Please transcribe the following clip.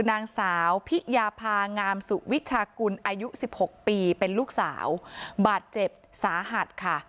นางสาวพิยาพางามสุวิชากุลอายุสิบหกปีเป็นลูกสาวบาดเจ็บสาหัสค่ะ